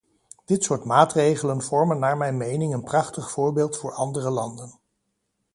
Dit soort maatregelen vormen naar mijn mening een prachtig voorbeeld voor andere landen.